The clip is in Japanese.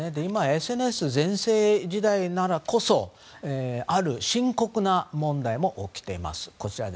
今ＳＮＳ全盛時代だからこそある深刻な問題も起きています。